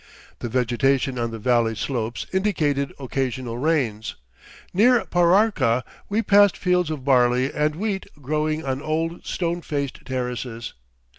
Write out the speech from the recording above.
The vegetation on the valley slopes indicated occasional rains. Near Pararca we passed fields of barley and wheat growing on old stone faced terraces.